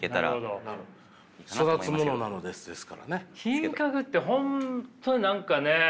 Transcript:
品格って本当に何かね